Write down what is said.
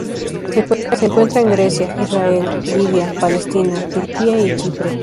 Se encuentra en Grecia, Israel, Libia, Palestina, Turquía y Chipre.